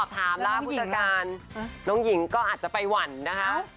ถามราวพุทธการน้องหญิงก็อาจจะไปหวั่นนะคะ